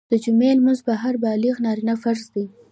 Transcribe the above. د جمعي لمونځ په هر بالغ نارينه فرض دی